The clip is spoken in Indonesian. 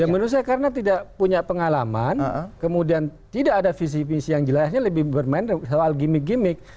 ya menurut saya karena tidak punya pengalaman kemudian tidak ada visi visi yang jelasnya lebih bermain soal gimmick gimmick